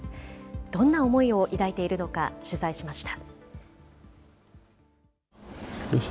どんな思いを抱いているのか、取材しました。